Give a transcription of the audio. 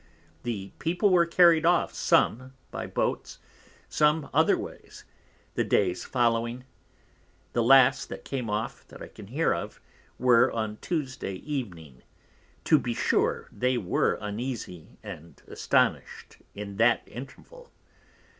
The People were carried off, some by Boats, some otherways, the days following; the last that came off (that I can hear of) were on Tuesday Evening, to be sure they were uneasy and astonished in that Interval.